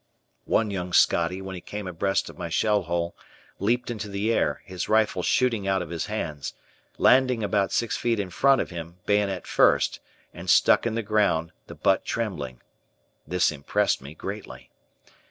One young Scottie, when he came abreast of my shell hole, leaped into the air, his rifle shooting out of his hands, landing about six feet in front of him, bayonet first, and stuck in the ground, the butt trembling. This impressed me greatly.